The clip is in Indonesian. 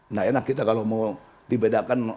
nggak enak kita kalau mau dibedakan